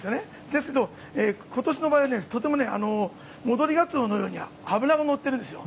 ですけど、今年の場合はとても戻りガツオのように脂が乗ってるんです。